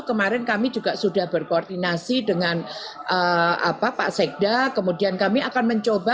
kemarin kami juga sudah berkoordinasi dengan pak sekda kemudian kami akan mencoba